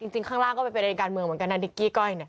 ข้างล่างก็เป็นประเด็นการเมืองเหมือนกันนะดิกกี้ก้อย